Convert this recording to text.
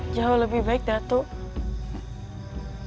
jauh lebih baik datuk